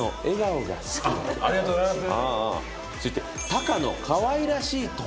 ありがとうございます！